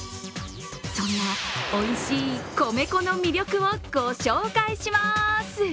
そんなおいしい米粉の魅力をご紹介します。